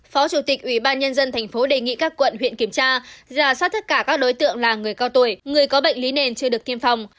phó chủ tịch ủy ban nhân dân tp đề nghị các quận huyện kiểm tra giả soát tất cả các đối tượng là người cao tuổi người có bệnh lý nền chưa được tiêm phòng